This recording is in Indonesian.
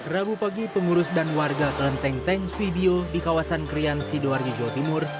rabu pagi pengurus dan warga kelenteng tank swibio di kawasan krian sidoarjo jawa timur